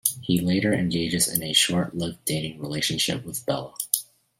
He later engages in a short-lived dating relationship with Belle.